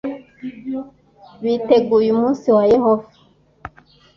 biteguye umunsi wa yehova